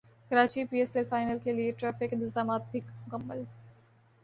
Karachi P S L final کیلئے traffic انتظامات بھی مکمل